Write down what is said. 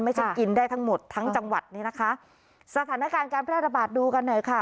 ฉันกินได้ทั้งหมดทั้งจังหวัดนี้นะคะสถานการณ์การแพร่ระบาดดูกันหน่อยค่ะ